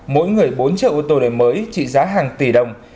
mỗi người bốn triệu ô tô đổi mới trị giá hàng tỷ đồng